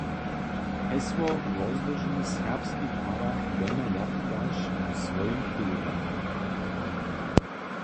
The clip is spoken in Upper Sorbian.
Hesło rozłoži Radworski farar Beno Jakubaš w swojim prědowanju.